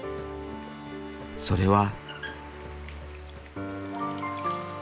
それは。